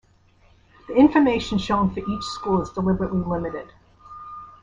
The information shown for each school is deliberately limited.